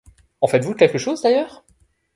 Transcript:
En faites-vous quelque chose, d’ailleurs ?